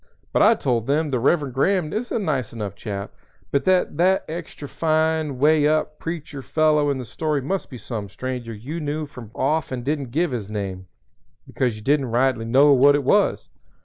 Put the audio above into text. But I told them the Reverend Graham is a nice enough chap, but that that extra fine, way up preacher fellow in the story must be some stranger you knew from off and didn't give his name, because you didn't rightly know what it was.